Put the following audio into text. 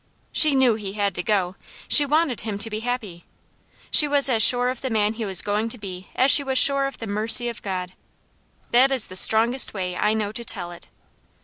She knew he had to go. She wanted him to be happy. She was as sure of the man he was going to be as she was sure of the mercy of God. That is the strongest way I know to tell it.